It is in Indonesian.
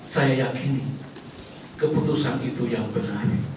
saya yakini keputusan itu yang benar